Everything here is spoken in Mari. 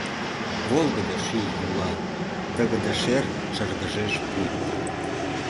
Волгыдо ший йӱла, Тыгыде шер Шыргыжеш пуйто.